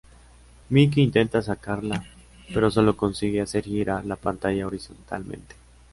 Mickey intenta sacarla, pero solo consigue hacer girar la pantalla horizontalmente.